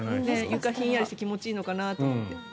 床がひんやりして気持ちいいのかなって。